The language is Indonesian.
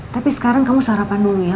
tapi sekarang kamu sarapan dulu ya